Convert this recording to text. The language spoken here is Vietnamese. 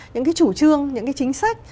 những cái chủ trương những cái chính sách